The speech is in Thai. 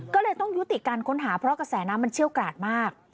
ก็เลยต้องยุติการค้นหาเพราะกระแสน้ำมันเชี่ยวกราดมาก